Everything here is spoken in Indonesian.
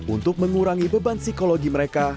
untuk mengurangi beban psikologi mereka